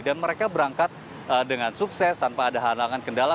dan mereka berangkat dengan sukses tanpa ada halangan kendala